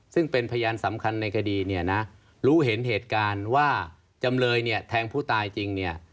ซึ่งเป็นพยานสำคัญในคดีเนี่ยนะรู้เห็นเหตุการณ์ว่าจำเลยเนี่ยแทงผู้ตายจริงเนี่ย